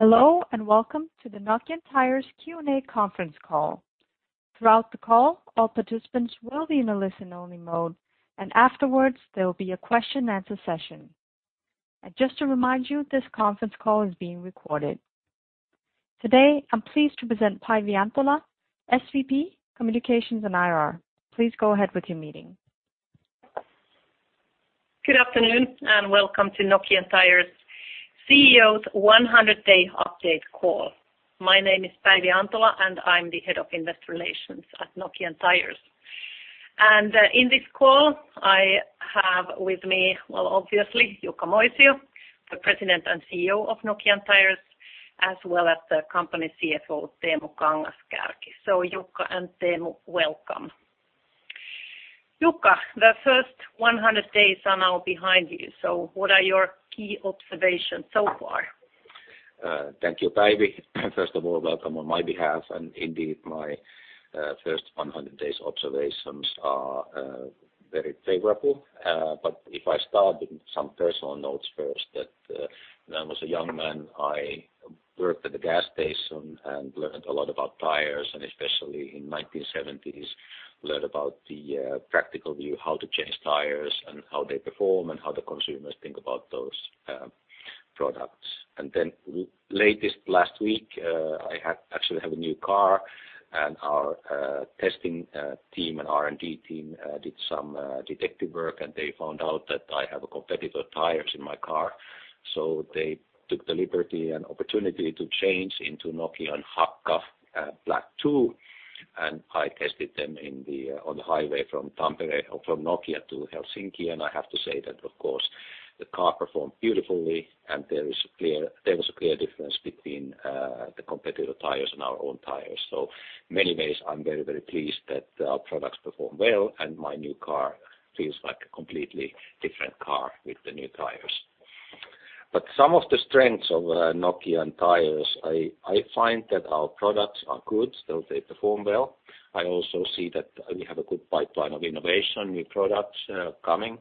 Hello and welcome to the Nokian Tyres Q&A Conference Call. Throughout the call, all participants will be in a listen-only mode, and afterwards, there will be a question-and-answer session. Just to remind you, this conference call is being recorded. Today, I'm pleased to present Päivi Antola, SVP, Communications and IR. Please go ahead with your meeting. Good afternoon and welcome to Nokian Tyres' CEO's 100-day update call. My name is Päivi Antola, and I'm the Head of Investor Relations at Nokian Tyres, and in this call, I have with me, well, obviously, Jukka Moisio, the President and CEO of Nokian Tyres, as well as the company's CFO, Teemu Kangas-Kärki, so Jukka and Teemu, welcome. Jukka, the first 100 days are now behind you, so what are your key observations so far? Thank you, Päivi. First of all, welcome on my behalf. And indeed, my first 100 days' observations are very favorable. But if I start with some personal notes first, that when I was a young man, I worked at a gas station and learned a lot about tires, and especially in the 1970s, learned about the practical view, how to change tires, and how they perform, and how the consumers think about those products. And then, just last week, I actually have a new car, and our testing team, an R&D team, did some detective work, and they found out that I have competitor tires in my car. So, they took the liberty and opportunity to change into Nokian Hakka Black 2, and I tested them on the highway from Nokia to Helsinki. I have to say that, of course, the car performed beautifully, and there was a clear difference between the competitor tires and our own tires, so in many ways, I'm very, very pleased that our products perform well, and my new car feels like a completely different car with the new tires, but some of the strengths of Nokian Tyres, I find that our products are good, so they perform well. I also see that we have a good pipeline of innovation, new products coming,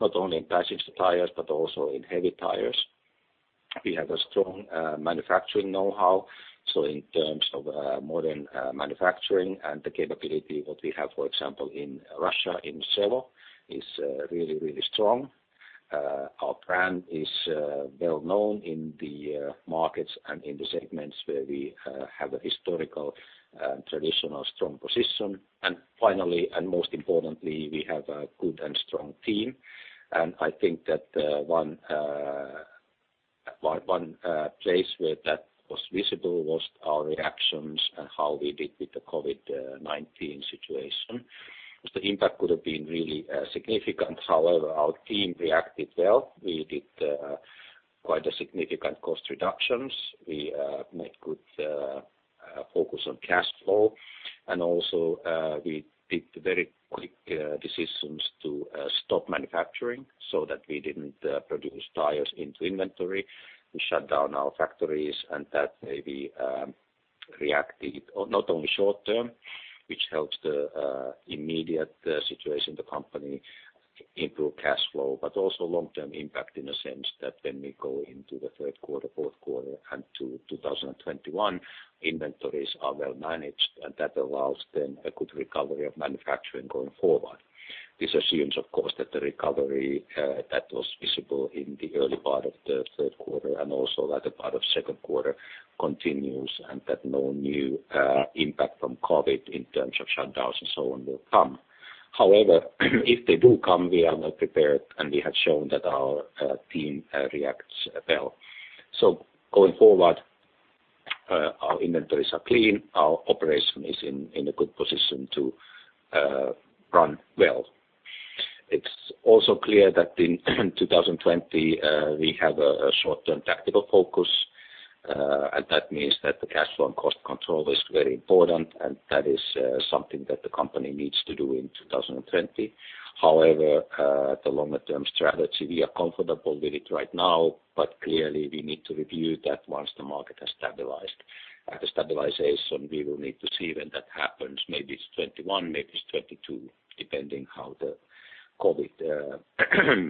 not only in passenger tires but also in Heavy Tyres. We have a strong manufacturing know-how, so in terms of modern manufacturing and the capability of what we have, for example, in Russia, in Vsevolozhsk, is really, really strong. Our brand is well-known in the markets and in the segments where we have a historical, traditional, strong position. Finally, and most importantly, we have a good and strong team. I think that one place where that was visible was our reactions and how we did with the COVID-19 situation. The impact could have been really significant. However, our team reacted well. We did quite significant cost reductions. We made good focus on cash flow. And also, we did very quick decisions to stop manufacturing so that we didn't produce tires into inventory. We shut down our factories, and that maybe reacted not only short-term, which helped the immediate situation of the company improve cash flow, but also long-term impact in the sense that when we go into the third quarter, fourth quarter, and to 2021, inventories are well-managed, and that allows then a good recovery of manufacturing going forward. This assumes, of course, that the recovery that was visible in the early part of the third quarter and also the latter part of the second quarter continues and that no new impact from COVID in terms of shutdowns and so on will come. However, if they do come, we are well prepared, and we have shown that our team reacts well. So, going forward, our inventories are clean. Our operation is in a good position to run well. It's also clear that in 2020, we have a short-term tactical focus, and that means that the cash flow and cost control is very important, and that is something that the company needs to do in 2020. However, the longer-term strategy, we are comfortable with it right now, but clearly, we need to review that once the market has stabilized. At the stabilization, we will need to see when that happens. Maybe it's 2021, maybe it's 2022, depending on how the COVID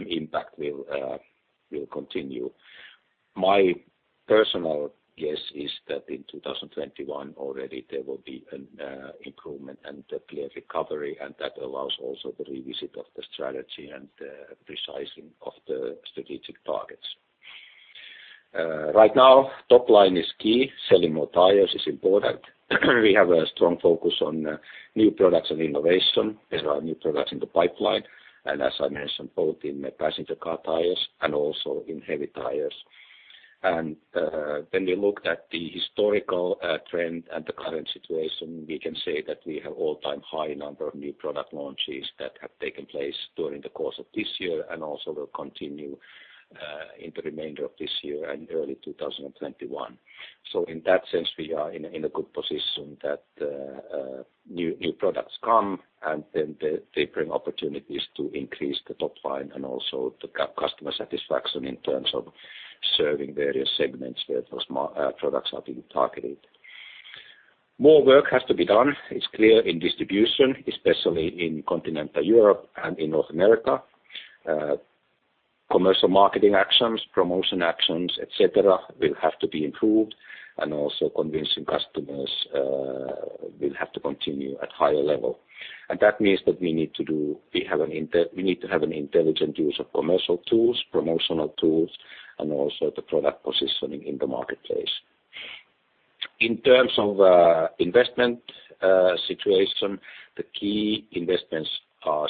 impact will continue. My personal guess is that in 2021, already, there will be an improvement and a clear recovery, and that allows also the revisit of the strategy and the precising of the strategic targets. Right now, top line is key. Selling more tires is important. We have a strong focus on new products and innovation. There are new products in the pipeline, and as I mentioned, both in passenger car tires and also in Heavy Tyres, and when we looked at the historical trend and the current situation, we can say that we have an all-time high number of new product launches that have taken place during the course of this year and also will continue in the remainder of this year and early 2021. In that sense, we are in a good position that new products come, and then they bring opportunities to increase the top line and also the customer satisfaction in terms of serving various segments where those products are being targeted. More work has to be done. It's clear in distribution, especially in continental Europe and in North America. Commercial marketing actions, promotion actions, etc., will have to be improved, and also convincing customers will have to continue at a higher level, and that means that we need to have an intelligent use of commercial tools, promotional tools, and also the product positioning in the marketplace. In terms of investment situation, the key investments are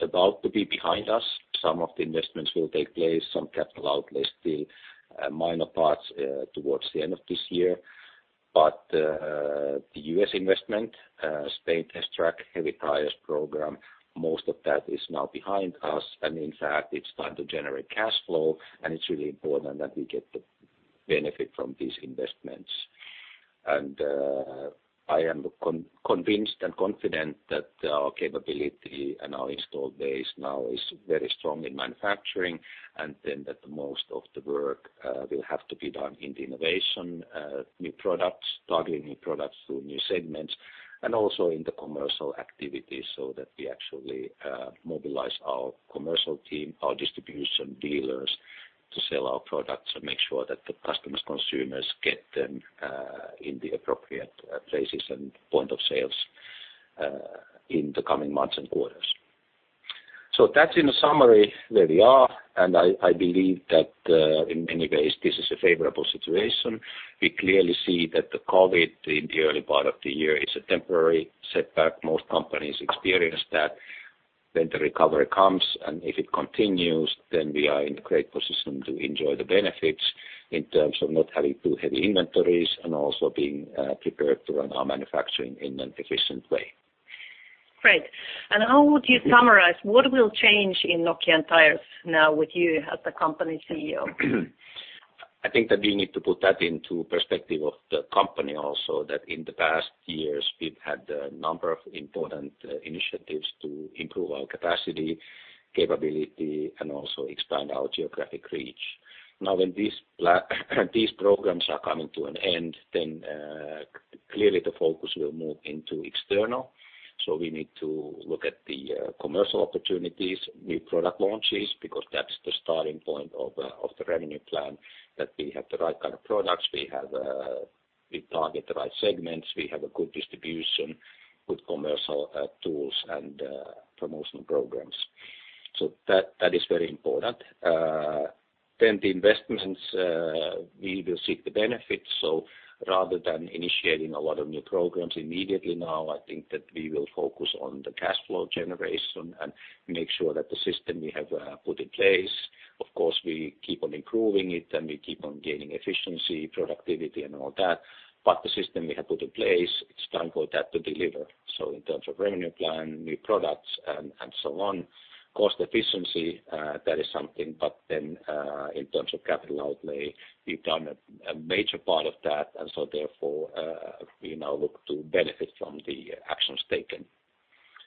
about to be behind us. Some of the investments will take place, some capital outlays, still minor parts towards the end of this year. But the U.S. investment, Spain Test Track, Heavy Tyres program, most of that is now behind us. And in fact, it's time to generate cash flow, and it's really important that we get the benefit from these investments. And I am convinced and confident that our capability and our install base now is very strong in manufacturing, and then that most of the work will have to be done in the innovation, new products, targeting new products through new segments, and also in the commercial activities so that we actually mobilize our commercial team, our distribution dealers, to sell our products and make sure that the customers, consumers get them in the appropriate places and point of sales in the coming months and quarters. So that's in a summary where we are, and I believe that in many ways, this is a favorable situation. We clearly see that the COVID-19 in the early part of the year is a temporary setback. Most companies experience that. Then the recovery comes, and if it continues, then we are in a great position to enjoy the benefits in terms of not having too heavy inventories and also being prepared to run our manufacturing in an efficient way. Great. And how would you summarize what will change in Nokian Tyres now with you as the company CEO? I think that we need to put that into perspective of the company also, that in the past years, we've had a number of important initiatives to improve our capacity, capability, and also expand our geographic reach. Now, when these programs are coming to an end, then clearly the focus will move into external. So we need to look at the commercial opportunities, new product launches, because that's the starting point of the revenue plan, that we have the right kind of products, we target the right segments, we have a good distribution, good commercial tools, and promotional programs. So that is very important. Then the investments, we will seek the benefits. So rather than initiating a lot of new programs immediately now, I think that we will focus on the cash flow generation and make sure that the system we have put in place. Of course, we keep on improving it, and we keep on gaining efficiency, productivity, and all that. But the system we have put in place, it's time for that to deliver, so in terms of revenue plan, new products, and so on, cost efficiency, that is something. But then in terms of capital outlay, we've done a major part of that, and so therefore, we now look to benefit from the actions taken,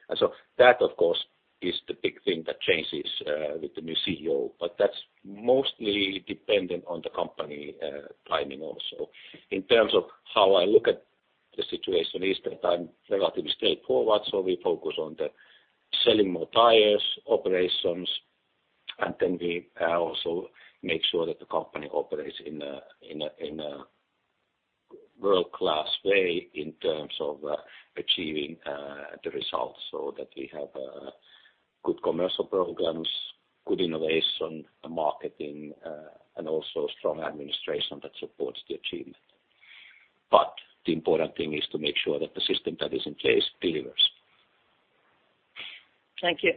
and so that, of course, is the big thing that changes with the new CEO, but that's mostly dependent on the company timing also. In terms of how I look at the situation, it is that I'm relatively straightforward, so we focus on selling more tires, operations, and then we also make sure that the company operates in a world-class way in terms of achieving the results so that we have good commercial programs, good innovation, marketing, and also strong administration that supports the achievement. But the important thing is to make sure that the system that is in place delivers. Thank you.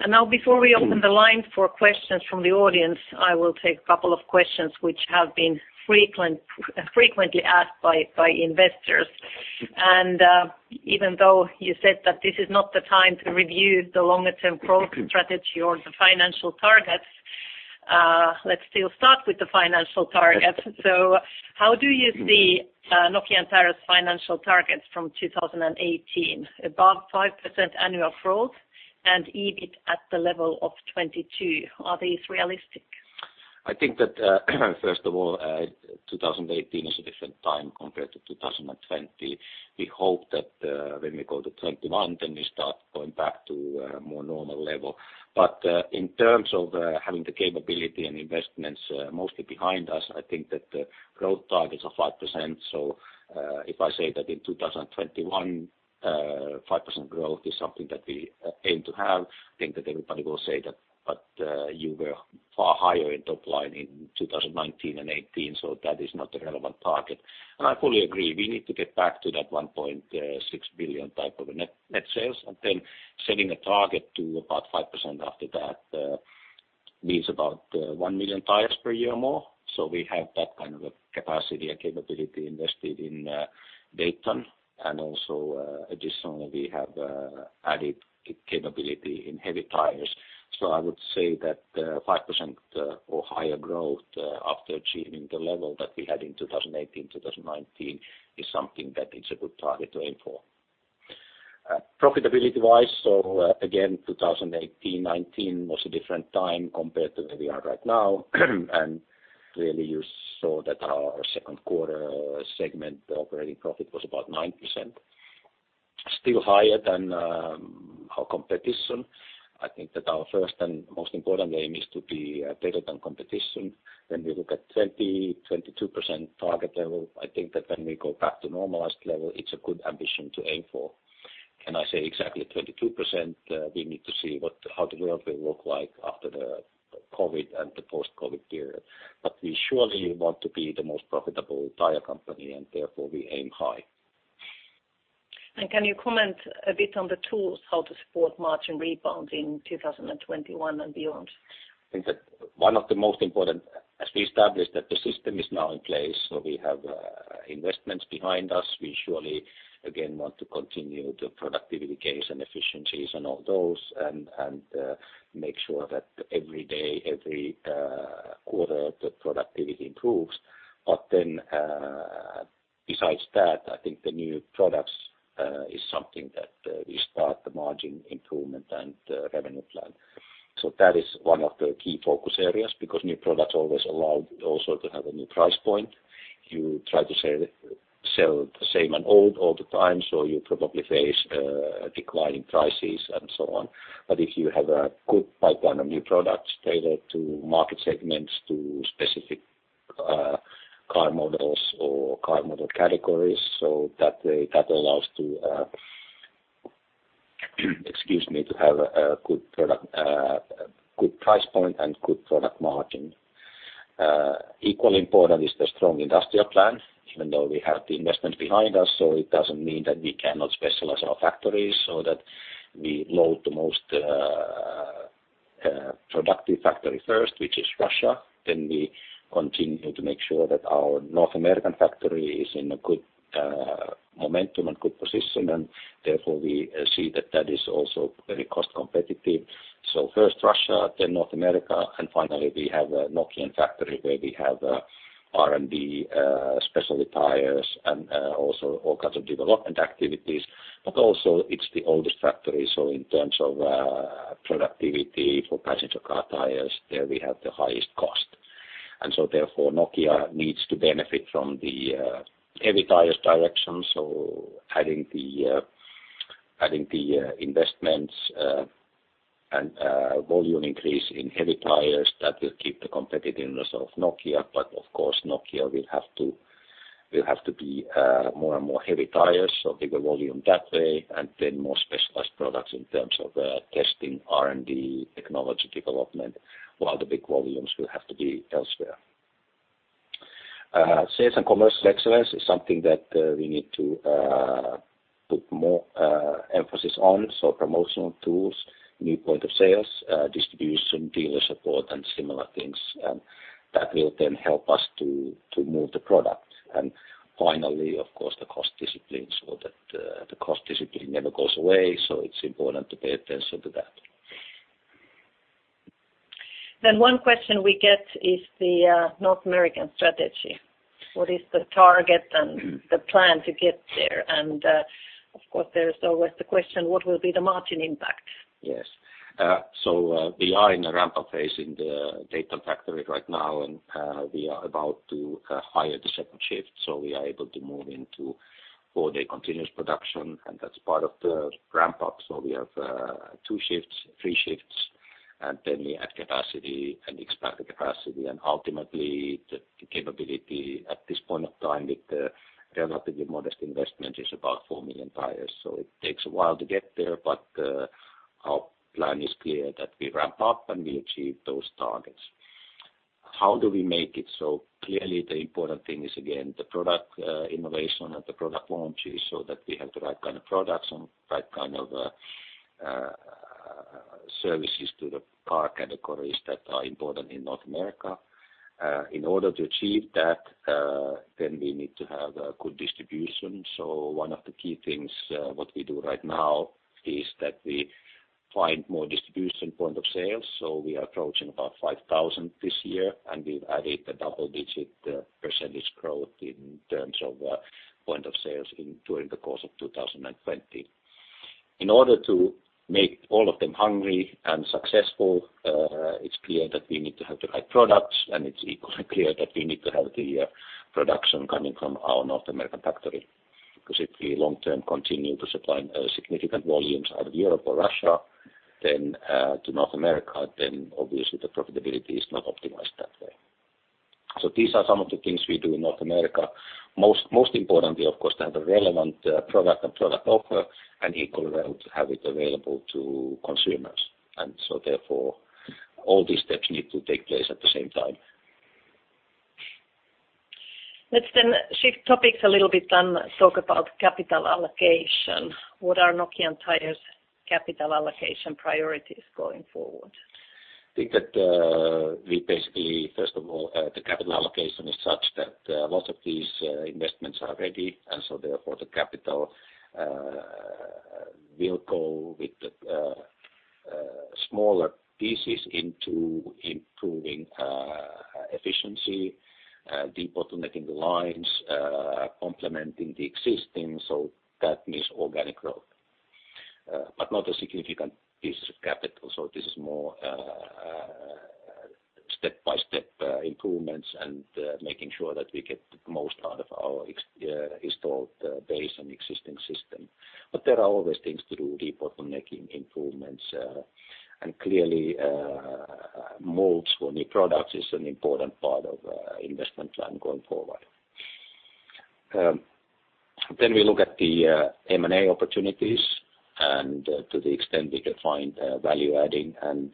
And now, before we open the line for questions from the audience, I will take a couple of questions which have been frequently asked by investors. And even though you said that this is not the time to review the longer-term growth strategy or the financial targets, let's still start with the financial targets. So how do you see Nokian Tyres' financial targets from 2018? Above 5% annual growth and EBIT at the level of 2022, are these realistic? I think that, first of all, 2018 is a different time compared to 2020. We hope that when we go to 2021, then we start going back to a more normal level. But in terms of having the capability and investments mostly behind us, I think that the growth targets are 5%. So if I say that in 2021, 5% growth is something that we aim to have, I think that everybody will say that, but you were far higher in top line in 2019 and 2018, so that is not a relevant target. And I fully agree. We need to get back to that 1.6 billion type of net sales, and then setting a target to about 5% after that means about 1 million tires per year more. So we have that kind of a capacity and capability invested in Dayton, and also additionally, we have added capability in Heavy Tyres. So I would say that 5% or higher growth after achieving the level that we had in 2018, 2019 is something that is a good target to aim for. Profitability-wise, so again, 2018, 2019 was a different time compared to where we are right now. And clearly, you saw that our second quarter segment operating profit was about 9%, still higher than our competition. I think that our first and most important aim is to be better than competition. When we look at 20%-22% target level, I think that when we go back to normalized level, it is a good ambition to aim for. Can I say exactly 22%? We need to see how the world will look like after the COVID and the post-COVID period. But we surely want to be the most profitable tire company, and therefore, we aim high. And can you comment a bit on the tools, how to support margin rebound in 2021 and beyond? I think that one of the most important, as we established, that the system is now in place, so we have investments behind us. We surely, again, want to continue the productivity gains and efficiencies and all those and make sure that every day, every quarter, the productivity improves. But then besides that, I think the new products is something that we start the margin improvement and revenue plan. So that is one of the key focus areas because new products always allow also to have a new price point. You try to sell the same and old all the time, so you probably face declining prices and so on. But if you have a good pipeline of new products tailored to market segments, to specific car models or car model categories, so that allows to, excuse me, to have a good price point and good product margin. Equally important is the strong industrial plan, even though we have the investments behind us, so it doesn't mean that we cannot specialize our factories so that we load the most productive factory first, which is Russia. Then we continue to make sure that our North American factory is in good momentum and good position, and therefore, we see that that is also very cost competitive. So first Russia, then North America, and finally, we have a Nokia factory where we have R&D, specialty tires, and also all kinds of development activities. But also, it's the oldest factory, so in terms of productivity for passenger car tires, there we have the highest cost, and so therefore, Nokia needs to benefit from the Heavy Tyres direction, so adding the investments and volume increase in Heavy Tyres that will keep the competitiveness of Nokia. Of course, Nokia will have to be more and more Heavy Tyres, so bigger volume that way, and then more specialized products in terms of testing, R&D, technology development, while the big volumes will have to be elsewhere. Sales and commercial excellence is something that we need to put more emphasis on, so promotional tools, new point of sales, distribution, dealer support, and similar things. And that will then help us to move the product. And finally, of course, the cost discipline, so that the cost discipline never goes away, so it's important to pay attention to that. Then one question we get is the North American strategy. What is the target and the plan to get there? And of course, there is always the question, what will be the margin impact? Yes. So we are in a ramp-up phase in the Dayton factory right now, and we are about to hire the second shift, so we are able to move into four-day continuous production, and that's part of the ramp-up. So we have two shifts, three shifts, and then we add capacity and expand the capacity. And ultimately, the capability at this point of time with the relatively modest investment is about four million tires. So it takes a while to get there, but our plan is clear that we ramp up and we achieve those targets. How do we make it so? Clearly, the important thing is, again, the product innovation and the product launch is so that we have the right kind of products and right kind of services to the car categories that are important in North America. In order to achieve that, then we need to have good distribution. So one of the key things what we do right now is that we find more distribution points of sale. So we are approaching about 5,000 this year, and we've added a double-digit percentage growth in terms of points of sale during the course of 2020. In order to make all of them hungry and successful, it's clear that we need to have the right products, and it's equally clear that we need to have the production coming from our North American factory. Because if we long-term continue to supply significant volumes out of Europe or Russia to North America, then obviously, the profitability is not optimized that way. So these are some of the things we do in North America. Most importantly, of course, to have a relevant product and product offer and equally well to have it available to consumers. And so therefore, all these steps need to take place at the same time. Let's then shift topics a little bit and talk about capital allocation. What are Nokian Tyres' capital allocation priorities going forward? I think that we basically, first of all, the capital allocation is such that lots of these investments are ready, and so therefore, the capital will go with smaller pieces into improving efficiency, deep automating the lines, complementing the existing, so that means organic growth. But not a significant piece of capital, so this is more step-by-step improvements and making sure that we get the most out of our installed base and existing system. But there are always things to do, deep automating improvements, and clearly, molds for new products is an important part of the investment plan going forward. Then we look at the M&A opportunities and to the extent we can find value-adding and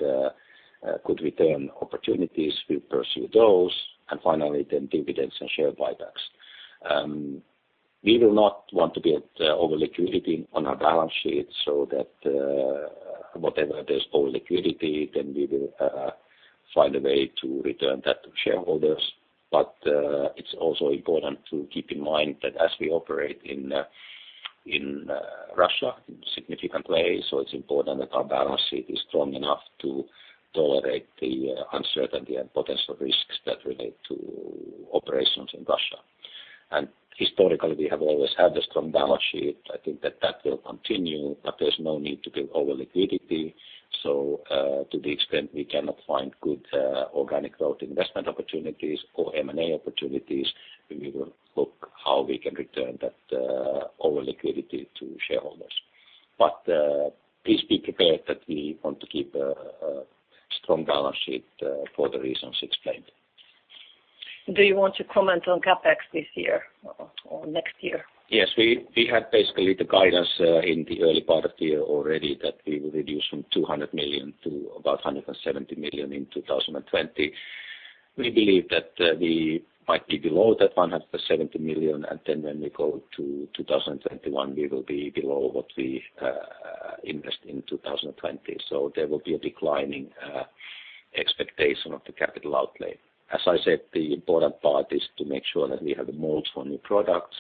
good return opportunities, we pursue those. And finally, then dividends and share buybacks. We will not want to build excess liquidity on our balance sheet, so that whatever there's excess liquidity, then we will find a way to return that to shareholders, but it's also important to keep in mind that as we operate in Russia in significant ways, so it's important that our balance sheet is strong enough to tolerate the uncertainty and potential risks that relate to operations in Russia, and historically, we have always had a strong balance sheet. I think that that will continue, but there's no need to build excess liquidity, so to the extent we cannot find good organic growth investment opportunities or M&A opportunities, we will look how we can return that excess liquidity to shareholders, but please be prepared that we want to keep a strong balance sheet for the reasons explained. Do you want to comment on CapEx this year or next year? Yes. We had basically the guidance in the early part of the year already that we will reduce from 200 million to about 170 million in 2020. We believe that we might be below that 170 million, and then when we go to 2021, we will be below what we invest in 2020. So there will be a declining expectation of the capital outlay. As I said, the important part is to make sure that we have the molds for new products.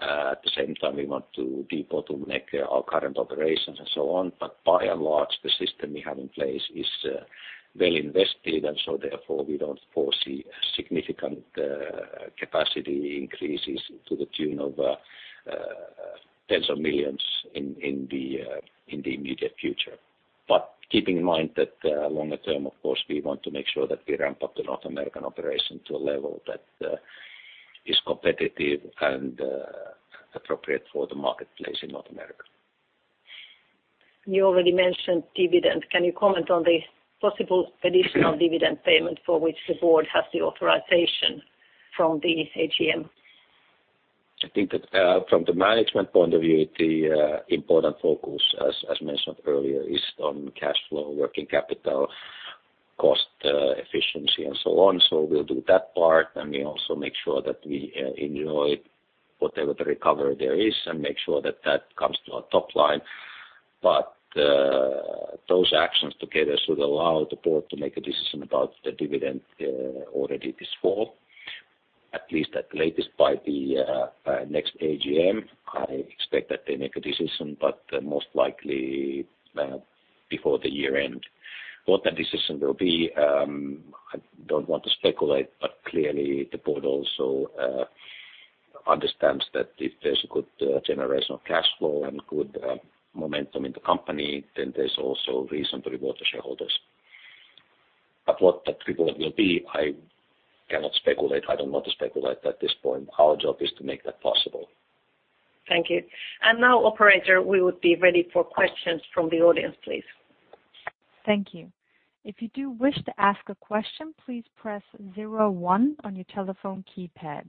At the same time, we want to deepen automation of our current operations and so on. But by and large, the system we have in place is well invested, and so therefore, we don't foresee significant capacity increases to the tune of tens of millions in the immediate future. But keeping in mind that longer term, of course, we want to make sure that we ramp up the North American operation to a level that is competitive and appropriate for the marketplace in North America. You already mentioned dividend. Can you comment on the possible additional dividend payment for which the board has the authorization from the AGM? I think that from the management point of view, the important focus, as mentioned earlier, is on cash flow, working capital, cost efficiency, and so on. So we'll do that part, and we also make sure that we enjoy whatever the recovery there is and make sure that that comes to our top line. But those actions together should allow the board to make a decision about the dividend already this fall, at least at the latest by the next AGM. I expect that they make a decision, but most likely before the year end. What that decision will be, I don't want to speculate, but clearly, the board also understands that if there's a good generation of cash flow and good momentum in the company, then there's also reason to reward the shareholders. But what that reward will be, I cannot speculate. I don't want to speculate at this point. Our job is to make that possible. Thank you. And now, operator, we would be ready for questions from the audience, please. Thank you. If you do wish to ask a question, please press zero one on your telephone keypad.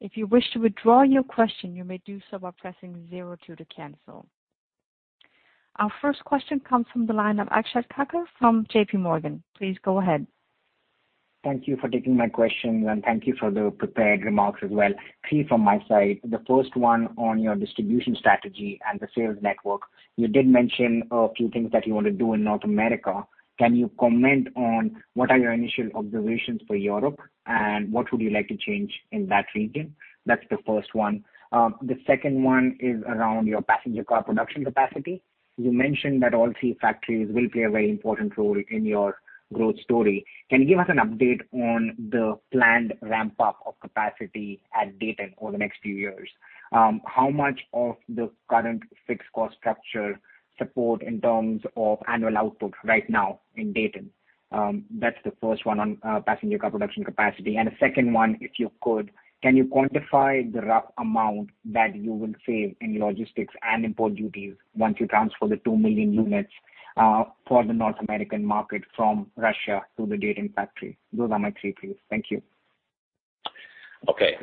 If you wish to withdraw your question, you may do so by pressing zero two to cancel. Our first question comes from the line of Akshat Kacker from JPMorgan. Please go ahead. Thank you for taking my question, and thank you for the prepared remarks as well. Three from my side. The first one on your distribution strategy and the sales network. You did mention a few things that you want to do in North America. Can you comment on what are your initial observations for Europe and what would you like to change in that region? That's the first one. The second one is around your passenger car production capacity. You mentioned that all three factories will play a very important role in your growth story. Can you give us an update on the planned ramp-up of capacity at Dayton over the next few years? How much of the current fixed cost structure support in terms of annual output right now in Dayton? That's the first one on passenger car production capacity. The second one, if you could, can you quantify the rough amount that you will save in logistics and import duties once you transfer the two million units for the North American market from Russia to the Dayton factory? Those are my three, please. Thank you. Okay.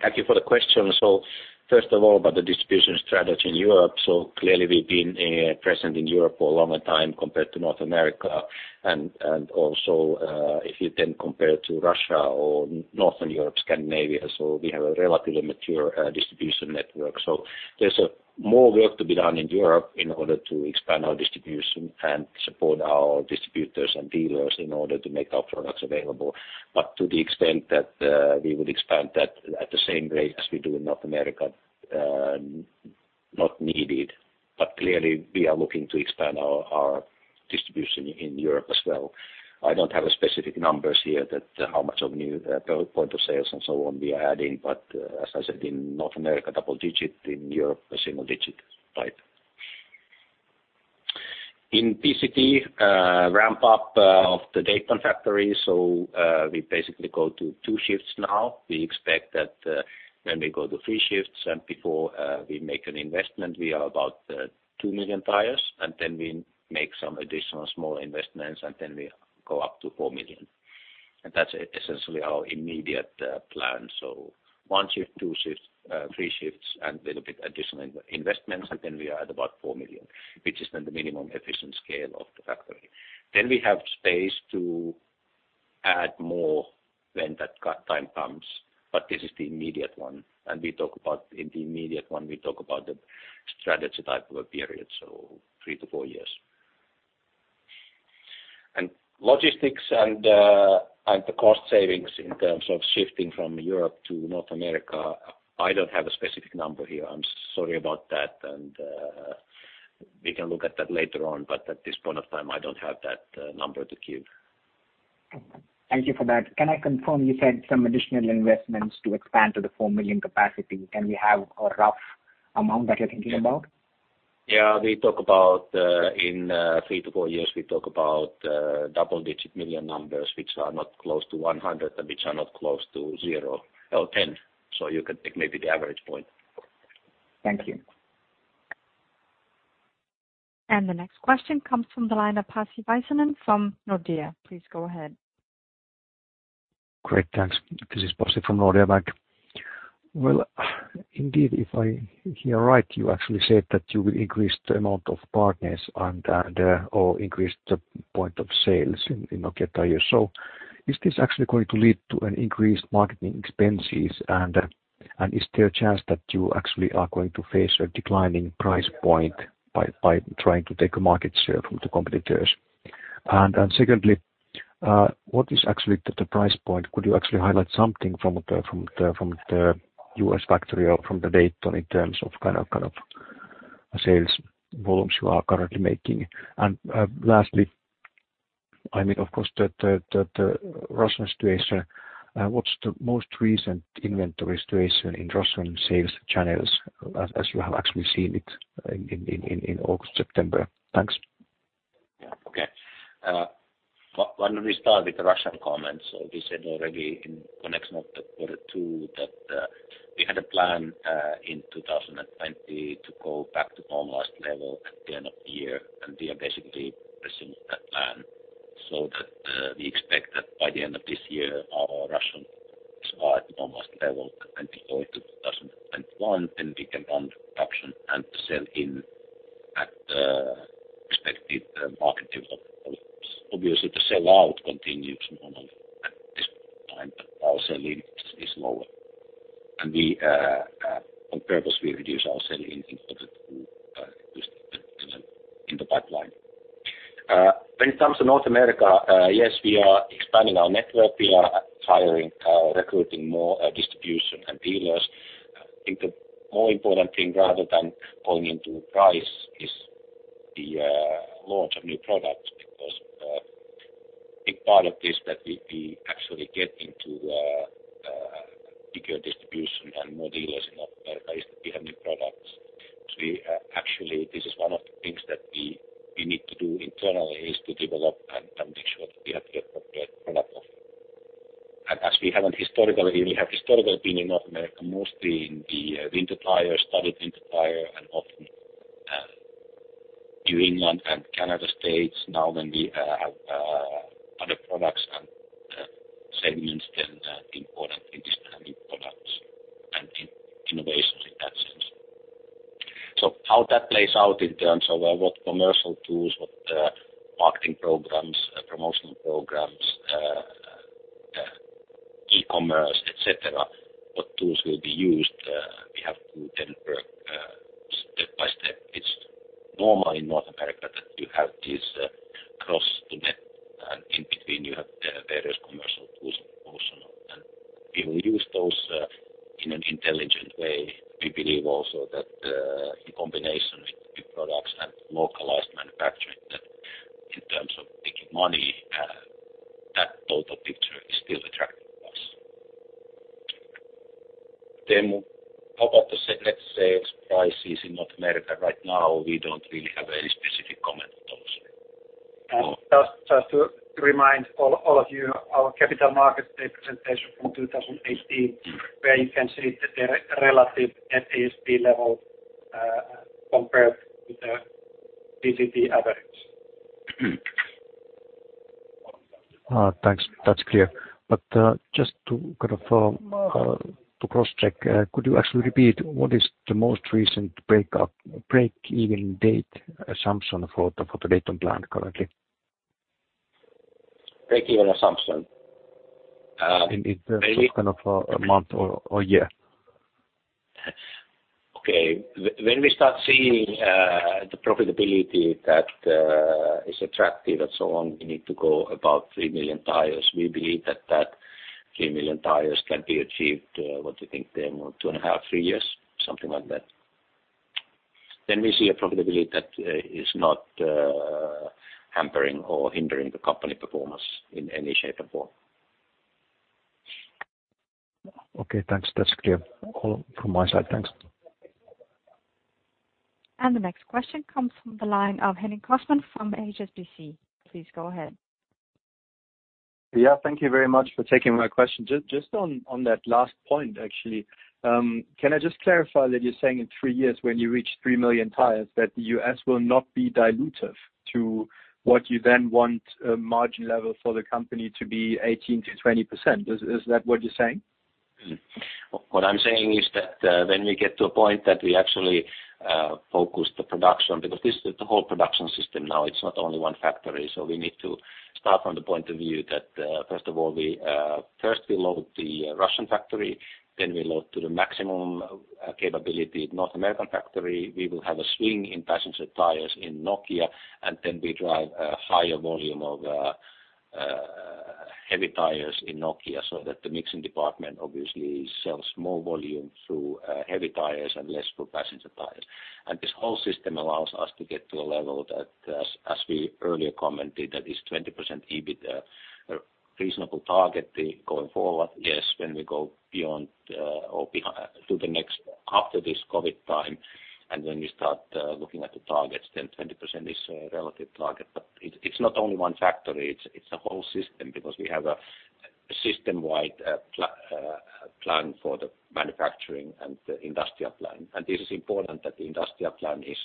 Thank you for the question. So first of all, about the distribution strategy in Europe, so clearly, we've been present in Europe for a longer time compared to North America. And also, if you then compare to Russia or northern Europe, Scandinavia, so we have a relatively mature distribution network. So there's more work to be done in Europe in order to expand our distribution and support our distributors and dealers in order to make our products available. But to the extent that we would expand that at the same rate as we do in North America, not needed. But clearly, we are looking to expand our distribution in Europe as well. I don't have specific numbers here that how much of new point of sales and so on we are adding, but as I said, in North America, double digit, in Europe, a single digit type. In PCT, ramp-up of the Dayton factory, so we basically go to two shifts now. We expect that when we go to three shifts and before we make an investment, we are about 2 million tires, and then we make some additional small investments, and then we go up to 4 million. And that's essentially our immediate plan. So one shift, two shifts, three shifts, and a little bit additional investments, and then we are at about 4 million, which is then the minimum efficient scale of the factory. Then we have space to add more when that time comes, but this is the immediate one. And in the immediate one, we talk about the strategy type of a period, so three to four years. And logistics and the cost savings in terms of shifting from Europe to North America, I don't have a specific number here. I'm sorry about that, and we can look at that later on, but at this point of time, I don't have that number to give. Thank you for that. Can I confirm you said some additional investments to expand to the four million capacity? Can we have a rough amount that you're thinking about? Yeah. In three to four years, we talk about double-digit million numbers, which are not close to 100 and which are not close to zero or 10. So you can take maybe the average point. Thank you. The next question comes from the line of Pasi Väisänen from Nordea. Please go ahead. Great. Thanks. This is Pasi Väisänen from Nordea Bank. Well, indeed, if I hear right, you actually said that you will increase the amount of partners and/or increase the points of sale in Nokian Tyres. So is this actually going to lead to increased marketing expenses, and is there a chance that you actually are going to face a declining price point by trying to take market share from the competitors? And secondly, what is actually the price point? Could you actually highlight something from the U.S. factory or from Dayton in terms of kind of sales volumes you are currently making? And lastly, I mean, of course, the Russian situation, what's the most recent inventory situation in Russian sales channels as you have actually seen it in August, September? Thanks. Yeah. Okay. Why don't we start with the Russian comments? So we said already in connection of the quarter two that we had a plan in 2020 to go back to normalized level at the end of the year, and we are basically pursuing that plan so that we expect that by the end of this year, our Russian is back to normalized level at 2019 to 2021, then we can run production and sell-in at the expected market level. Obviously, the sell-out continues normally at this point in time, but our sell-in is lower. On purpose, we reduce our sell-in in quarter two to reduce the sell-in in the pipeline. When it comes to North America, yes, we are expanding our network. We are hiring, recruiting more distributors and dealers. I think the more important thing rather than going into price is the launch of new products because a big part of this that we actually get into bigger distribution and more dealers in North America is that we have new products. Actually, this is one of the things that we need to do internally is to develop and make sure that we have the appropriate product offering. And as we have historically, we have historically been in North America mostly in the winter tire, studded winter tire, and often New England and Canada states. Now, when we have other products and segments, then it's important in this time in products and innovations in that sense. So how that plays out in terms of what commercial tools, what marketing programs, promotional programs, e-commerce, etc., what tools will be used, we have to then work step by step. It's normal in North America that you have this gross to net and in between you have various commercial tools and promotions, and we will use those in an intelligent way. We believe also that in combination with new products and localized manufacturing, that in terms of making money, that total picture is still attractive to us, then how about the net sales prices in North America right now? We don't really have any specific comment on those. Just to remind all of you, our Capital Markets Day presentation from 2018, where you can see the relative net ASP level compared with the PCT average. Thanks. That's clear. But just to kind of cross-check, could you actually repeat what is the most recent break-even date assumption for the Dayton plant currently? Break-even assumption? In terms of kind of a month or year. Okay. When we start seeing the profitability that is attractive and so on, we need to go about 3 million tires. We believe that 3 million tires can be achieved, what do you think, in two and a half, three years, something like that. Then we see a profitability that is not hampering or hindering the company performance in any shape or form. Okay. Thanks. That's clear from my side. Thanks. The next question comes from the line of Henning Cosman from HSBC. Please go ahead. Yeah. Thank you very much for taking my question. Just on that last point, actually, can I just clarify that you're saying in three years, when you reach three million tires, that the U.S. will not be dilutive to what you then want margin level for the company to be 18%-20%? Is that what you're saying? What I'm saying is that when we get to a point that we actually focus the production because this is the whole production system now. It's not only one factory. So we need to start from the point of view that, first of all, first we load the Russian factory, then we load to the maximum capability North American factory. We will have a swing in passenger tires in Nokia, and then we drive a higher volume of Heavy Tyres in Nokia so that the mixing department obviously sells more volume through Heavy Tyres and less through passenger tires. And this whole system allows us to get to a level that, as we earlier commented, that is 20% EBITDA, a reasonable target going forward. Yes, when we go beyond or to the next after this COVID-19 time, and when we start looking at the targets, then 20% is a relative target. But it's not only one factory. It's a whole system because we have a system-wide plan for the manufacturing and the industrial plan. This is important that the industrial plan is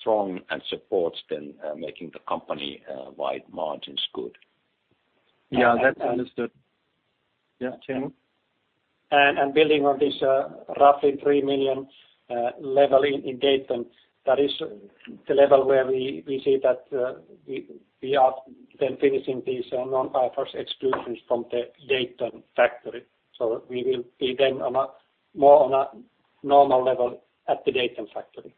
strong and supports then making the company-wide margins good. Yeah. That's understood. Yeah. Thank you. And building on this roughly three million level in Dayton, that is the level where we see that we are then finishing these non-IFRS exclusions from the Dayton factory. So we will be then more on a normal level at the Dayton factory.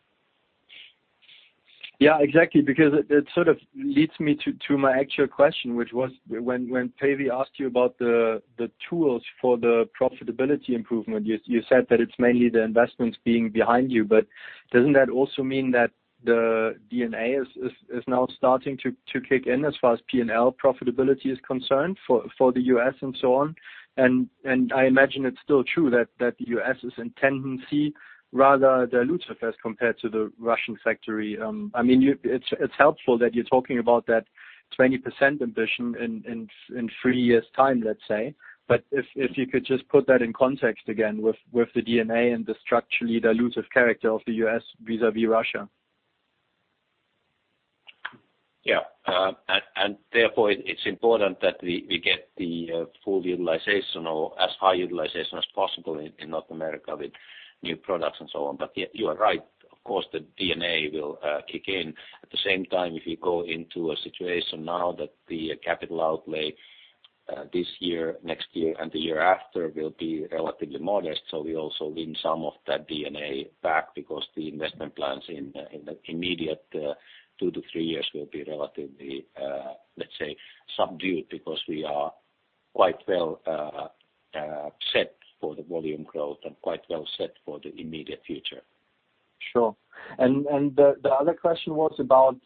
Yeah. Exactly. Because it sort of leads me to my actual question, which was when Päivi asked you about the tools for the profitability improvement, you said that it's mainly the investments being behind you. But doesn't that also mean that the DNA is now starting to kick in as far as P&L profitability is concerned for the U.S. and so on? And I imagine it's still true that the U.S. is in tendency rather dilutive as compared to the Russian factory. I mean, it's helpful that you're talking about that 20% ambition in three years' time, let's say, but if you could just put that in context again with the DNA and the structurally dilutive character of the U.S. vis-à-vis Russia. Yeah, and therefore it's important that we get the full utilization or as high utilization as possible in North America with new products and so on, but you are right. Of course, the DNA will kick in. At the same time, if you go into a situation now that the capital outlay this year, next year, and the year after will be relatively modest, so we also win some of that DNA back because the investment plans in the immediate two to three years will be relatively, let's say, subdued because we are quite well set for the volume growth and quite well set for the immediate future. Sure. And the other question was about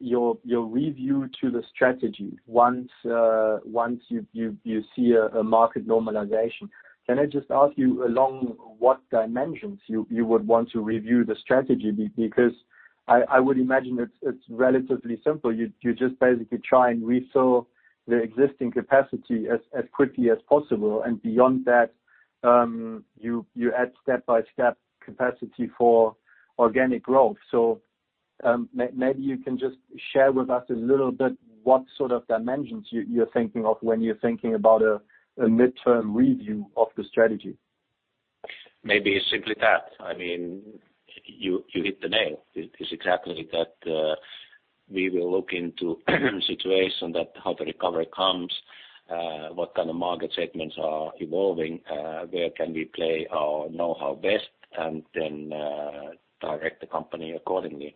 your review to the strategy. Once you see a market normalization, can I just ask you along what dimensions you would want to review the strategy? Because I would imagine it's relatively simple. You just basically try and refill the existing capacity as quickly as possible, and beyond that, you add step-by-step capacity for organic growth. So maybe you can just share with us a little bit what sort of dimensions you're thinking of when you're thinking about a midterm review of the strategy. Maybe it's simply that. I mean, you hit the nail. It's exactly that we will look into the situation that how the recovery comes, what kind of market segments are evolving, where can we play our know-how best, and then direct the company accordingly.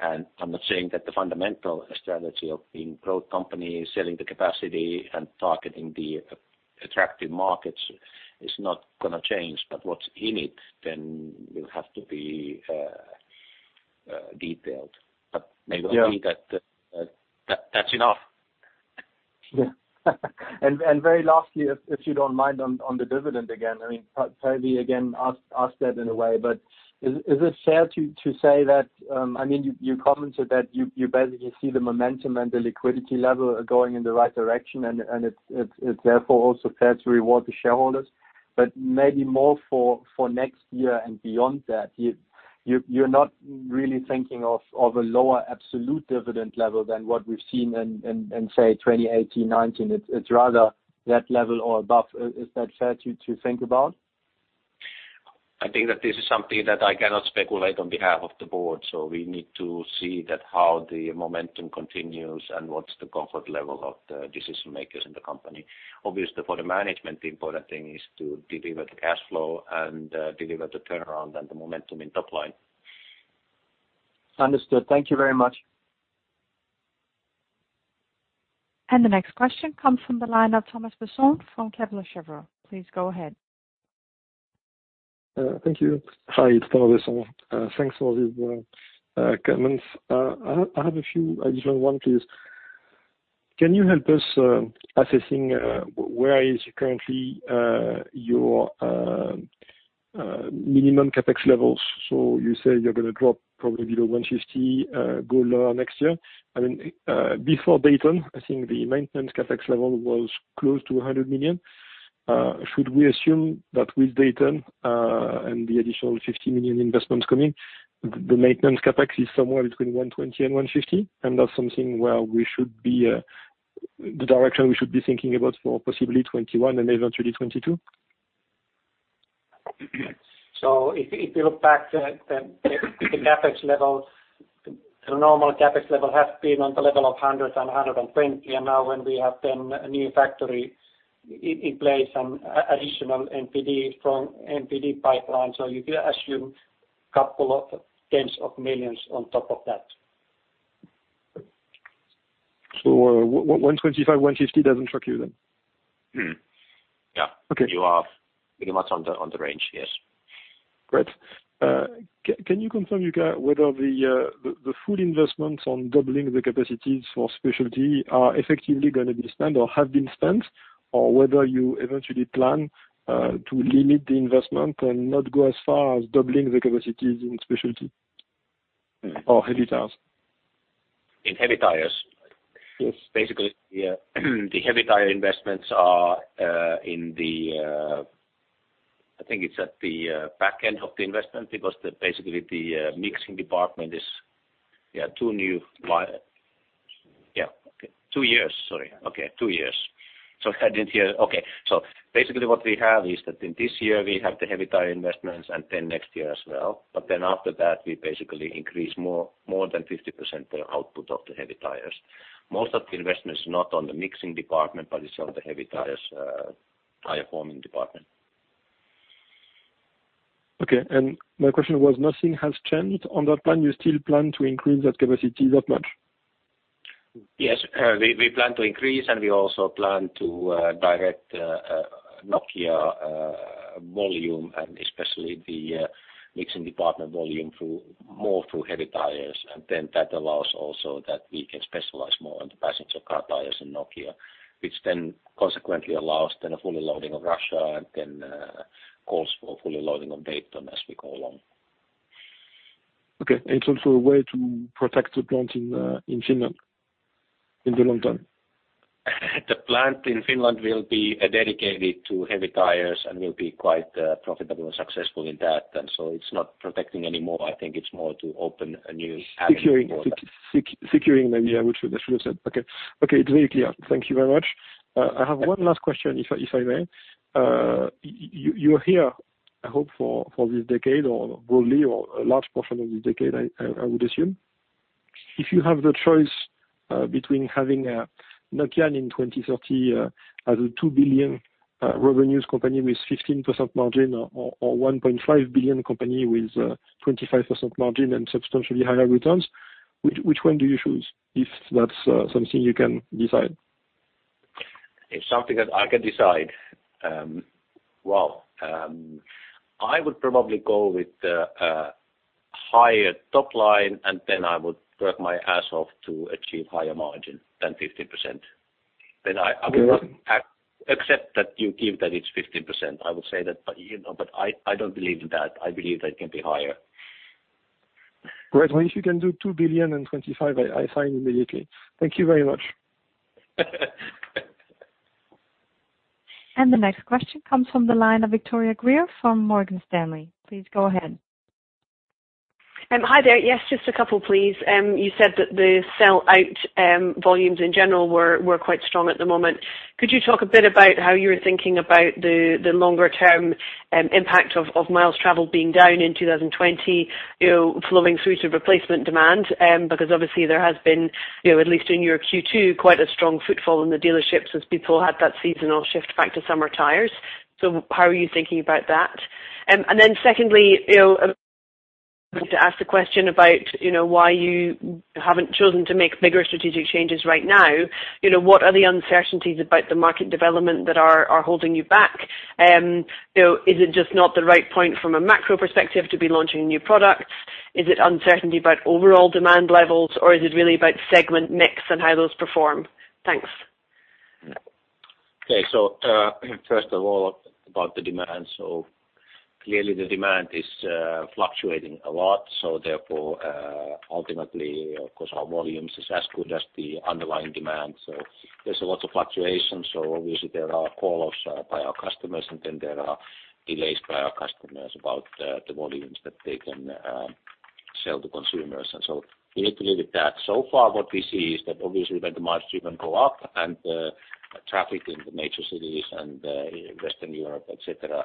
And I'm not saying that the fundamental strategy of being a growth company, selling the capacity, and targeting the attractive markets is not going to change, but what's in it then will have to be detailed. But maybe I think that that's enough. Yeah. And very lastly, if you don't mind, on the dividend again, I mean, Päivi again asked that in a way, but is it fair to say that I mean, you commented that you basically see the momentum and the liquidity level going in the right direction, and it's therefore also fair to reward the shareholders, but maybe more for next year and beyond that. You're not really thinking of a lower absolute dividend level than what we've seen in, say, 2018, 2019. It's rather that level or above. Is that fair to think about? I think that this is something that I cannot speculate on behalf of the board. So we need to see how the momentum continues and what's the comfort level of the decision-makers in the company. Obviously, for the management, the important thing is to deliver the cash flow and deliver the turnaround and the momentum in top line. Understood. Thank you very much. The next question comes from the line of Thomas Besson from Kepler Cheuvreux. Please go ahead. Thank you. Hi. It's Thomas Besson. Thanks for the comments. I have a few. I just want one, please. Can you help us assessing where is currently your minimum CapEx levels? So you say you're going to drop probably below 150 million, go lower next year. I mean, before Dayton, I think the maintenance CapEx level was close to 100 million. Should we assume that with Dayton and the additional 50 million investments coming, the maintenance CapEx is somewhere between 120 million and 150 million? And that's something where we should be the direction we should be thinking about for possibly 2021 and eventually 2022? So if you look back, the CapEx level, the normal CapEx level has been on the level of 100 and 120. And now when we have then a new factory in place and additional NPD pipeline, so you could assume a couple of tens of millions on top of that. So 125, 150 doesn't shock you then? Yeah. You are pretty much on the range. Yes. Great. Can you confirm, Jukka, whether the full investments on doubling the capacities for specialty are effectively going to be spent or have been spent, or whether you eventually plan to limit the investment and not go as far as doubling the capacities in specialty or Heavy Tyres? In Heavy Tyres? Yes. Basically, the Heavy Tyres investments are in the. I think it's at the back end of the investment because basically the mixing department is, yeah, two new yeah. Two years. So basically what we have is that in this year we have the Heavy Tyres investments and then next year as well. But then after that, we basically increase more than 50% the output of the Heavy Tyres. Most of the investment is not on the mixing department, but it's on the Heavy Tyres forming department. Okay. And my question was nothing has changed on that plan. You still plan to increase that capacity that much? Yes. We plan to increase, and we also plan to direct Nokia volume and especially the mixing department volume more through Heavy Tyres, and then that allows also that we can specialize more on the passenger car tires in Nokia, which then consequently allows then a fully loading of Russia and then calls for fully loading of Dayton as we go along. Okay. It's also a way to protect the plant in Finland in the long term? The plant in Finland will be dedicated to Heavy Tyres and will be quite profitable and successful in that, and so it's not protecting anymore. I think it's more to open a new avenue for it. Securing maybe, I should have said. Okay. Okay. It's very clear. Thank you very much. I have one last question, if I may. You're here, I hope, for this decade or probably a large portion of this decade, I would assume. If you have the choice between having Nokian in 2030 as a 2 billion revenues company with 15% margin or 1.5 billion company with 25% margin and substantially higher returns, which one do you choose if that's something you can decide? If something that I can decide? Well, I would probably go with a higher top line, and then I would work my ass off to achieve higher margin than 15%. Then I would accept that you give that it's 15%. I would say that, but I don't believe in that. I believe that it can be higher. Great. If you can do 2 billion in 2025, I sign immediately. Thank you very much. The next question comes from the line of Victoria Greer from Morgan Stanley. Please go ahead. Hi there. Yes. Just a couple, please. You said that the sell-out volumes in general were quite strong at the moment. Could you talk a bit about how you were thinking about the longer-term impact of miles traveled being down in 2020, flowing through to replacement demand? Because obviously, there has been, at least in your Q2, quite a strong footfall in the dealerships as people had that seasonal shift back to summer tires. So how are you thinking about that? And then secondly, to ask the question about why you haven't chosen to make bigger strategic changes right now, what are the uncertainties about the market development that are holding you back? Is it just not the right point from a macro perspective to be launching new products? Is it uncertainty about overall demand levels, or is it really about segment mix and how those perform? Thanks. Okay. So first of all, about the demand. So clearly, the demand is fluctuating a lot. So therefore, ultimately, of course, our volumes are as good as the underlying demand. So there's a lot of fluctuation. So obviously, there are calls by our customers, and then there are delays by our customers about the volumes that they can sell to consumers. And so we need to leave it at that. So far, what we see is that obviously, when the margins even go up and traffic in the major cities and Western Europe, etc.,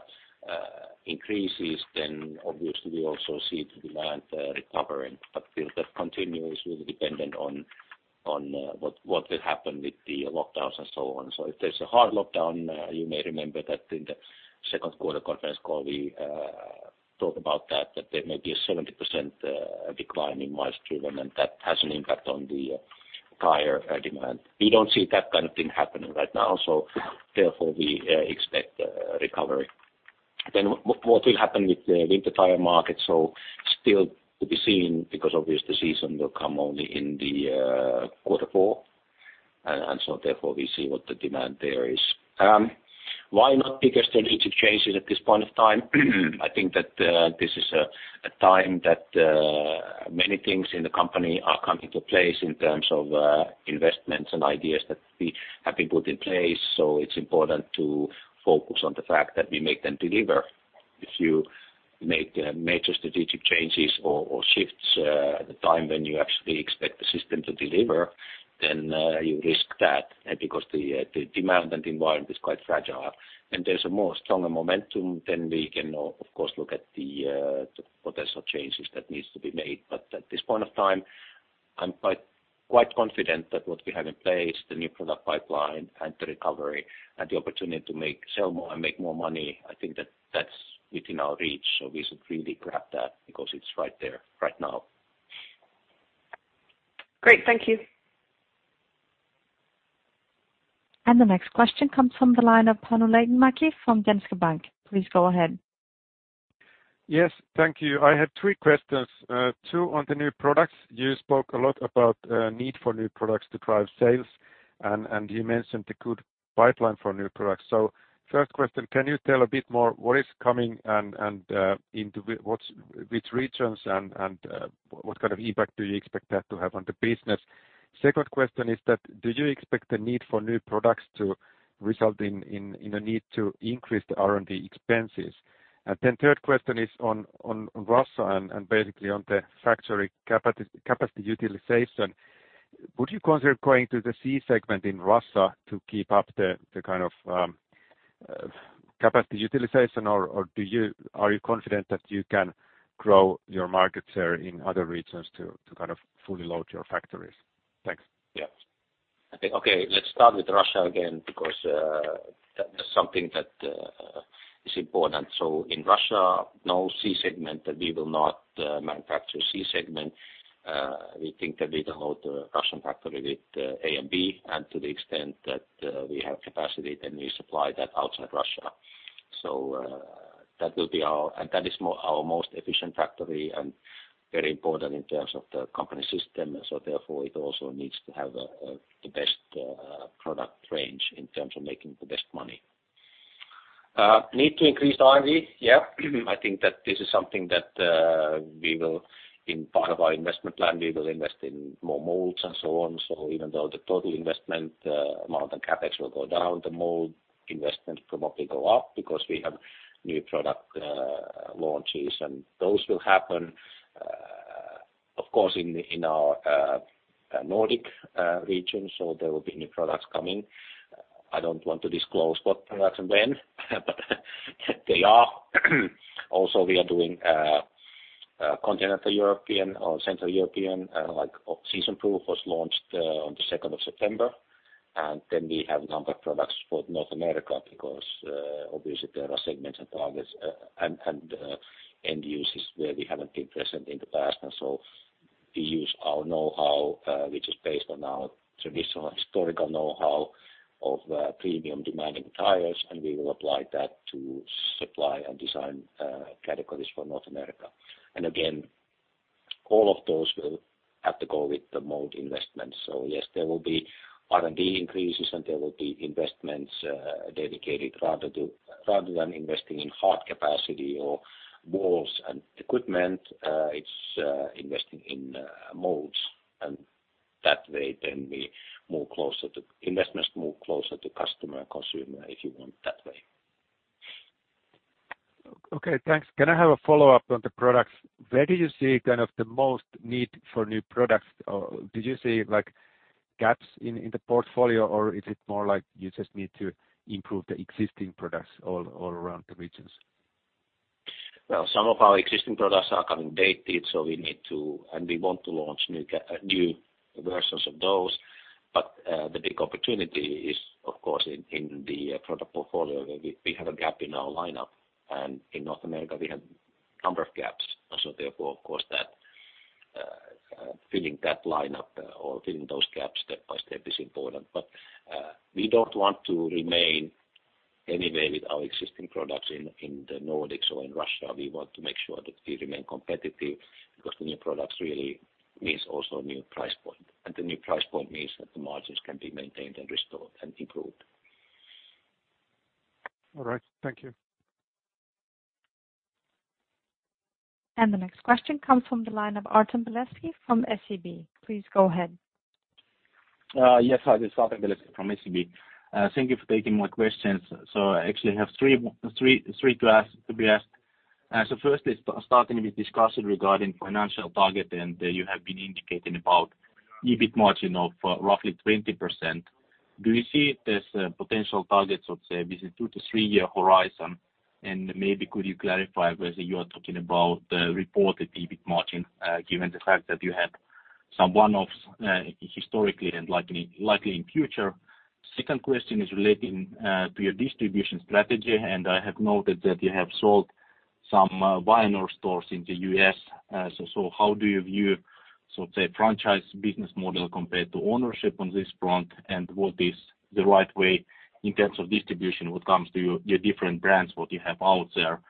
increases, then obviously, we also see the demand recovering. But will that continue is really dependent on what will happen with the lockdowns and so on. So if there's a hard lockdown, you may remember that in the second quarter conference call, we talked about that, that there may be a 70% decline in miles driven, and that has an impact on the tire demand. We don't see that kind of thing happening right now. So therefore, we expect recovery. Then what will happen with the winter tire market? So still to be seen because obviously, the season will come only in the quarter four. And so therefore, we see what the demand there is. Why not bigger strategic changes at this point of time? I think that this is a time that many things in the company are coming to place in terms of investments and ideas that we have been put in place. So it's important to focus on the fact that we make them deliver. If you make major strategic changes or shifts at a time when you actually expect the system to deliver, then you risk that because the demand and the environment is quite fragile, and there's a more stronger momentum, then we can, of course, look at the potential changes that need to be made, but at this point of time, I'm quite confident that what we have in place, the new product pipeline and the recovery and the opportunity to sell more and make more money, I think that that's within our reach, so we should really grab that because it's right there right now. Great. Thank you. The next question comes from the line of Panu Laitinmäki from Danske Bank. Please go ahead. Yes. Thank you. I have three questions. Two, on the new products. You spoke a lot about the need for new products to drive sales, and you mentioned a good pipeline for new products. So first question, can you tell a bit more what is coming and into which regions and what kind of impact do you expect that to have on the business? Second question is that do you expect the need for new products to result in a need to increase the R&D expenses? And then third question is on Russia and basically on the factory capacity utilization. Would you consider going to the C-segment in Russia to keep up the kind of capacity utilization, or are you confident that you can grow your market share in other regions to kind of fully load your factories? Thanks. Yeah. Okay. Let's start with Russia again because that's something that is important. So in Russia, no C-segment that we will not manufacture C-segment. We think that we can load the Russian factory with A and B and to the extent that we have capacity, then we supply that outside Russia. So that will be our and that is our most efficient factory and very important in terms of the company system. So therefore, it also needs to have the best product range in terms of making the best money. Need to increase R&D. Yeah. I think that this is something that we will, in part of our investment plan, we will invest in more molds and so on. Even though the total investment amount and CapEx will go down, the mold investment will probably go up because we have new product launches, and those will happen, of course, in our Nordic region. There will be new products coming. I don't want to disclose what products and when, but they are. Also, we are doing Continental European or Central European, like Seasonproof was launched on the 2nd of September. Then we have a number of products for North America because obviously, there are segments and targets and end uses where we haven't been present in the past. So we use our know-how, which is based on our traditional historical know-how of premium demanding tires, and we will apply that to supply and design categories for North America. Again, all of those will have to go with the mold investments. So yes, there will be R&D increases, and there will be investments dedicated rather than investing in hard capacity or walls and equipment. It's investing in molds. And that way, then we move closer to investments, move closer to customer and consumer if you want that way. Okay. Thanks. Can I have a follow-up on the products? Where do you see kind of the most need for new products? Did you see gaps in the portfolio, or is it more like you just need to improve the existing products all around the regions? Some of our existing products are becoming dated, so we need to and we want to launch new versions of those. But the big opportunity is, of course, in the product portfolio. We have a gap in our lineup, and in North America, we have a number of gaps. And so therefore, of course, that filling that lineup or filling those gaps step by step is important. But we don't want to remain anyway with our existing products in the Nordics or in Russia. We want to make sure that we remain competitive because the new products really means also a new price point. And the new price point means that the margins can be maintained and restored and improved. All right. Thank you. The next question comes from the line of Artem Beletski from SEB. Please go ahead. Yes. Hi. This is Artem Beletski from SEB. Thank you for taking my questions. So I actually have three to be asked. So first is starting with discussion regarding financial target, and you have been indicating about EBIT margin of roughly 20%. Do you see this potential target, let's say, within a two- to three-year horizon? And maybe could you clarify whether you are talking about reported EBIT margin given the fact that you have some one-offs historically and likely in future? Second question is relating to your distribution strategy, and I have noted that you have sold some Vianor stores in the U.S. So how do you view, so to say, franchise business model compared to ownership on this front, and what is the right way in terms of distribution when it comes to your different brands, what you have out there?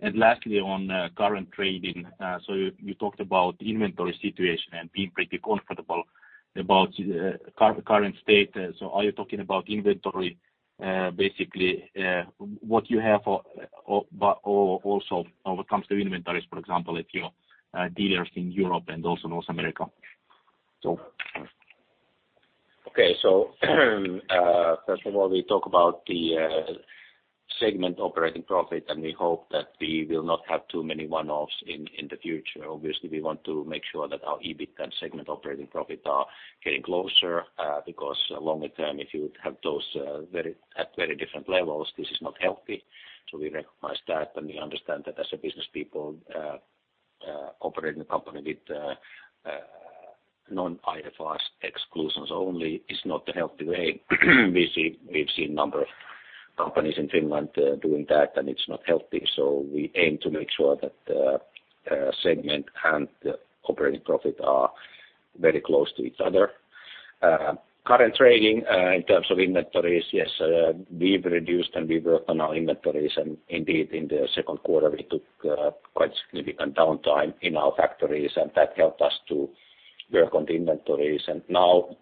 And lastly, on current trading, so you talked about inventory situation and being pretty comfortable about current status. So are you talking about inventory, basically, what you have or also when it comes to inventories, for example, if your dealers in Europe and also North America? Okay. So first of all, we talk about the segment operating profit, and we hope that we will not have too many one-offs in the future. Obviously, we want to make sure that our EBIT and segment operating profit are getting closer because longer term, if you would have those at very different levels, this is not healthy. So we recognize that, and we understand that as a business people operating a company with non-IFRS exclusions only is not the healthy way. We've seen a number of companies in Finland doing that, and it's not healthy. So we aim to make sure that segment and operating profit are very close to each other. Current trading in terms of inventories, yes, we've reduced and we've worked on our inventories. Indeed, in the second quarter, we took quite significant downtime in our factories, and that helped us to work on the inventories. Now,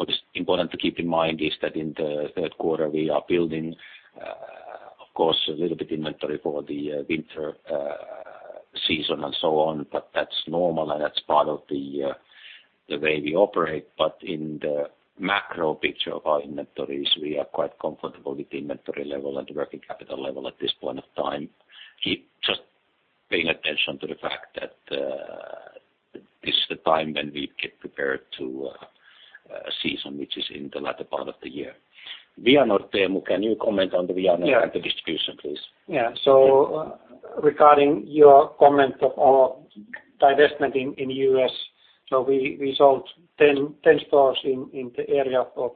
what is important to keep in mind is that in the third quarter, we are building, of course, a little bit of inventory for the winter season and so on, but that's normal, and that's part of the way we operate. In the macro picture of our inventories, we are quite comfortable with the inventory level and the working capital level at this point of time. Just paying attention to the fact that this is the time when we get prepared for the season, which is in the latter part of the year. Vianor, Teemu, can you comment on the Vianor and the distribution, please? Yeah. So regarding your comment of our divestment in the U.S., so we sold 10 stores in the area of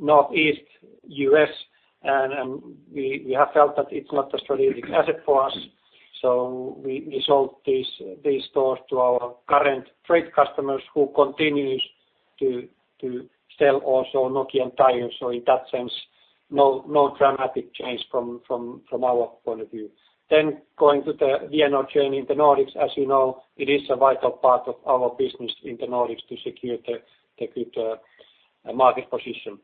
Northeast U.S., and we have felt that it's not a strategic asset for us. So we sold these stores to our current trade customers who continue to sell also Nokian Tyres. So in that sense, no dramatic change from our point of view. Then going to the Vianor chain in the Nordics, as you know, it is a vital part of our business in the Nordics to secure the good market position.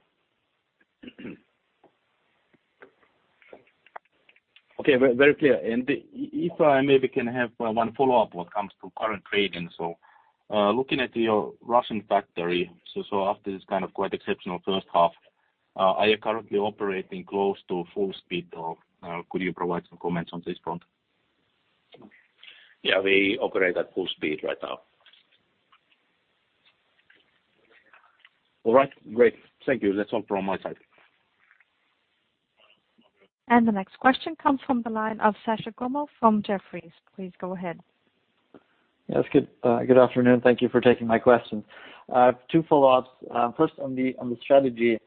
Okay. Very clear. And if I maybe can have one follow-up when it comes to current trading. So looking at your Russian factory, so after this kind of quite exceptional first half, are you currently operating close to full speed, or could you provide some comments on this front? Yeah. We operate at full speed right now. All right. Great. Thank you. That's all from my side. And the next question comes from the line of Sascha Gommel from Jefferies. Please go ahead. Yes. Good afternoon. Thank you for taking my question. I have two follow-ups. First, on the strategy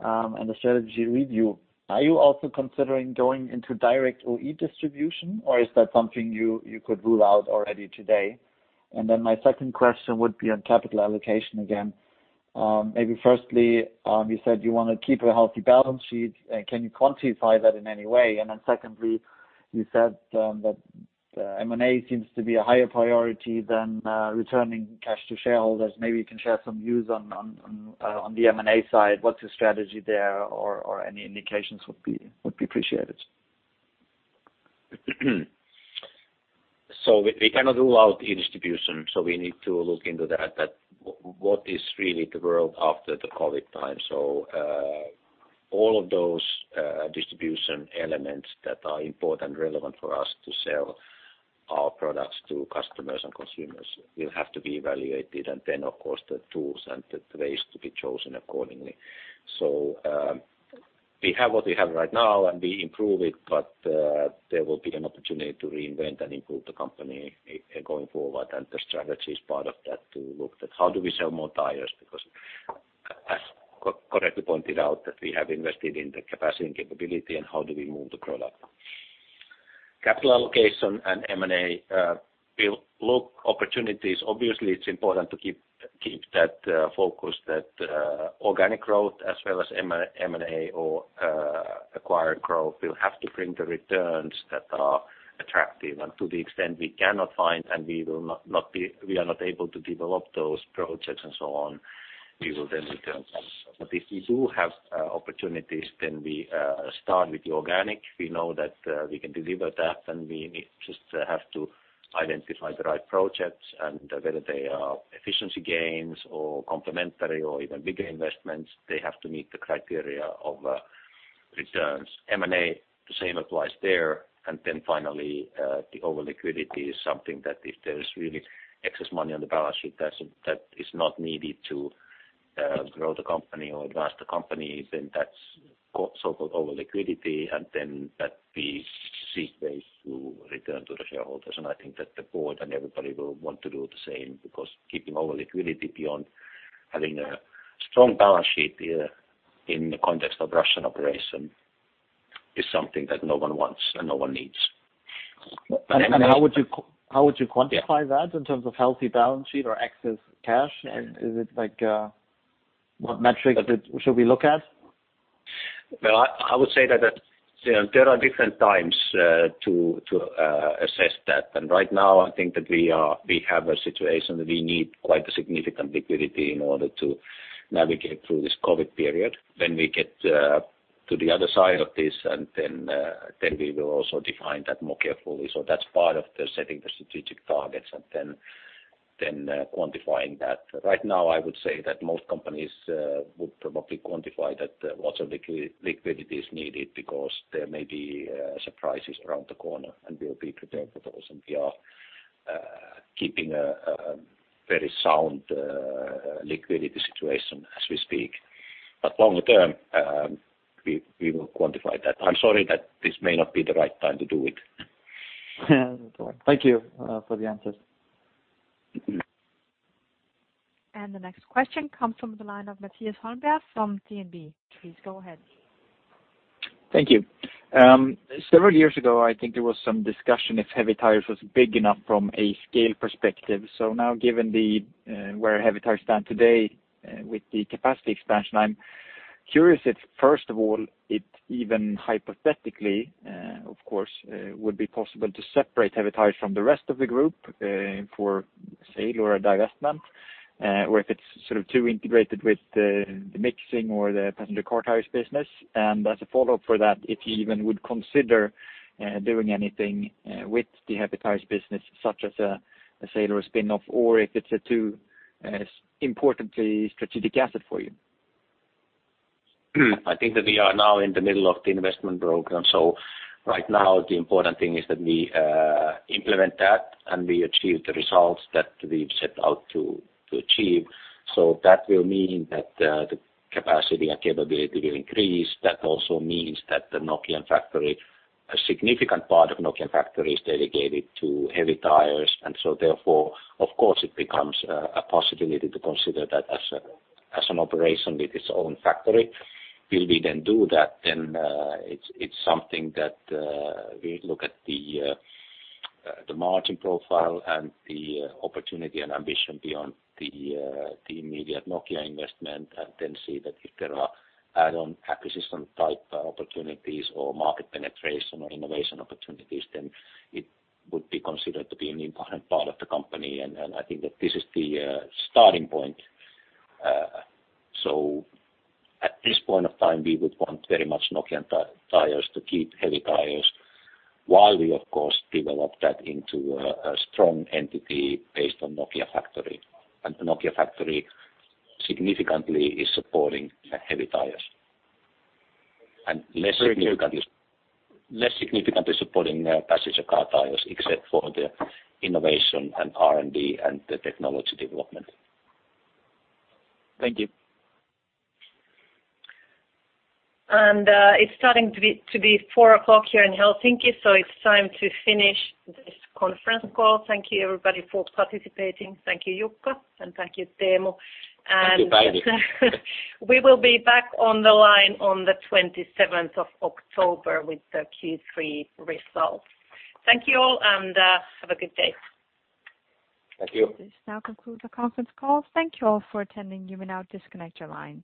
and the strategy review, are you also considering going into direct OE distribution, or is that something you could rule out already today? And then my second question would be on capital allocation again. Maybe firstly, you said you want to keep a healthy balance sheet. Can you quantify that in any way? And then secondly, you said that M&A seems to be a higher priority than returning cash to shareholders. Maybe you can share some views on the M&A side. What's your strategy there, or any indications would be appreciated? We cannot rule out OE distribution, so we need to look into that, what is really the world after the COVID time. All of those distribution elements that are important and relevant for us to sell our products to customers and consumers will have to be evaluated, and then, of course, the tools and the ways to be chosen accordingly. We have what we have right now, and we improve it, but there will be an opportunity to reinvent and improve the company going forward. The strategy is part of that to look at how do we sell more tires because, as correctly pointed out, that we have invested in the capacity and capability, and how do we move the product. Capital allocation and M&A will look at opportunities. Obviously, it's important to keep that focus that organic growth as well as M&A or acquired growth will have to bring the returns that are attractive. And to the extent we cannot find and we are not able to develop those projects and so on, we will then return them. But if we do have opportunities, then we start with the organic. We know that we can deliver that, and we just have to identify the right projects and whether they are efficiency gains or complementary or even bigger investments. They have to meet the criteria of returns. M&A, the same applies there. And then finally, the overliquidity is something that if there's really excess money on the balance sheet that is not needed to grow the company or advance the company, then that's so-called overliquidity. And then that we see as ways to return to the shareholders. I think that the board and everybody will want to do the same because keeping overliquidity beyond having a strong balance sheet in the context of Russian operation is something that no one wants and no one needs. And how would you quantify that in terms of healthy balance sheet or excess cash? And is it like what metrics should we look at? Well, I would say that there are different times to assess that. And right now, I think that we have a situation that we need quite a significant liquidity in order to navigate through this COVID period. When we get to the other side of this, then we will also define that more carefully. So that's part of setting the strategic targets and then quantifying that. Right now, I would say that most companies would probably quantify that what sort of liquidity is needed because there may be surprises around the corner, and we'll be prepared for those. And we are keeping a very sound liquidity situation as we speak. But longer term, we will quantify that. I'm sorry that this may not be the right time to do it. Thank you for the answers. And the next question comes from the line of Mattias Holmberg from DNB. Please go ahead. Thank you. Several years ago, I think there was some discussion if Heavy Tyres was big enough from a scale perspective. So now, given where Heavy Tyres stand today with the capacity expansion, I'm curious if, first of all, it even hypothetically, of course, would be possible to separate Heavy Tyres from the rest of the group for sale or a divestment, or if it's sort of too integrated with the mixing or the passenger car tires business, and as a follow-up for that, if you even would consider doing anything with the Heavy Tyres business, such as a sale or a spin-off, or if it's a too importantly strategic asset for you. I think that we are now in the middle of the investment program. Right now, the important thing is that we implement that, and we achieve the results that we've set out to achieve. That will mean that the capacity and capability will increase. That also means that the Nokian factory, a significant part of Nokian factory, is dedicated to Heavy Tyres. Therefore, of course, it becomes a possibility to consider that as an operation with its own factory. Will we then do that? It's something that we look at the margin profile and the opportunity and ambition beyond the immediate Nokian investment, and then see that if there are add-on acquisition type opportunities or market penetration or innovation opportunities, then it would be considered to be an important part of the company. I think that this is the starting point. At this point of time, we would want very much Nokian Tyres to keep Heavy Tyres while we, of course, develop that into a strong entity based on Nokia factory. Nokia factory significantly is supporting Heavy Tyres and less significantly supporting passenger car tires, except for the innovation and R&D and the technology development. Thank you. It's starting to be 4:00 P.M. here in Helsinki, so it's time to finish this conference call. Thank you, everybody, for participating. Thank you, Jukka, and thank you, Teemu. Thank you, Päivi. We will be back on the line on the 27th of October with the Q3 results. Thank you all, and have a good day. Thank you. This now concludes the conference call. Thank you all for attending. You may now disconnect online.